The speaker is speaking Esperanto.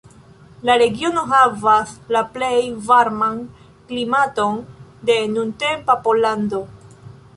La regiono havas la plej varman klimaton de nuntempa Pollando.